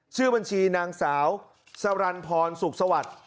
ชื่อบัญชีนางสาวสรรพรสุขสวัสดิ์